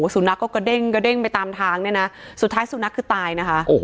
สูนักก็กะเด้งกะเด้งไปตามทางสุดท้ายสูนักคือตายนะคะ